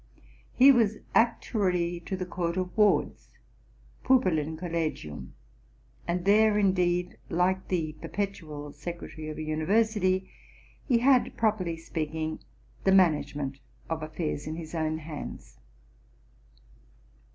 He was ac tuary to the Court of Wards (Pupillen Collegium) ; and there, indeed, like the perpetual secretary of a university, he had, properly speaking, the management of affairs in his own hands.